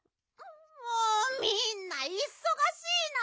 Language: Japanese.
もうみんないそがしいな！